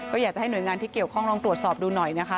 ก็อยากจะให้หน่วยงานที่เกี่ยวข้องลองตรวจสอบดูหน่อยนะคะ